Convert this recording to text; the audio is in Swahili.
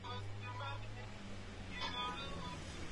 huyu ni mkurugenzi mama wewe ni mkurugenzi wa nini na wewe